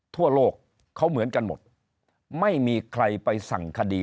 ทั่วโลกเขาเหมือนกันหมดไม่มีใครไปสั่งคดี